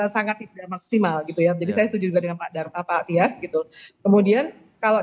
sangat tidak maksimal gitu ya jadi saya setuju juga dengan pak darta pak tias gitu kemudian kalau